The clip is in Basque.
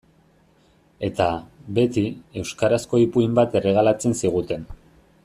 Eta, beti, euskarazko ipuin bat erregalatzen ziguten.